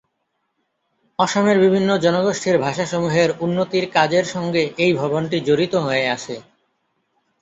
অসমের বিভিন্ন জনগোষ্ঠীর ভাষাসমূহের উন্নতির কাজের সঙ্গে এই ভবনটি জড়িত হয়ে আছে।